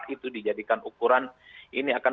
itu dijadikan ukuran ini akan